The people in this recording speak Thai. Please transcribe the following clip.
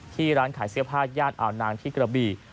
ที่ร้านขายเสียผ้าญาติอาวนางที่กระบี